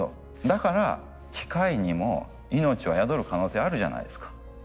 だから機械にも命は宿る可能性あるじゃないですか。